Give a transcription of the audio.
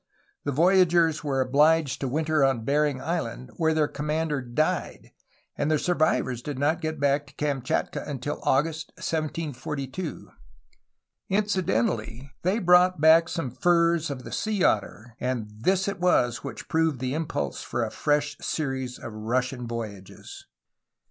The voyagers were obliged to winter on Bering Island, where their commander died, and the survivors did not get back to Kamchatka until August 1742. Incidentally, they brought back some furs of the sea otter, and this it was which proved the impulse for a fresh series of Russian voyages.